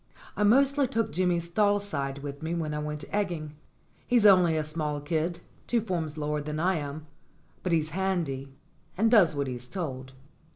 I mostly took Jimmy Stalside with me when I went egging. He's only a small kid, two forms lower than I am ; but he's handy, and does what he's told.